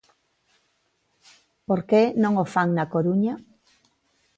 ¿Por que non o fan na Coruña?